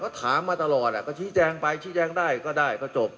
ก็ถามมาตลอดก็ชี้แจงไปชี้แจงได้ก็ได้ก็จบ